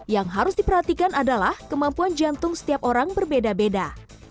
yang harus diperhatikan adalah kemampuan jantung setiap orang berbeda beda